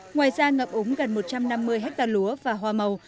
ngoài ra ngập úng gần một trăm năm mươi hectare lúa và hoa màu